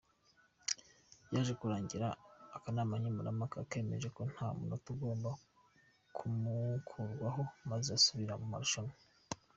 Byaje kurangira akanama nkemurampaka kemeje ko nta manota agomba kumukurwaho maze asubira mu marushanwa.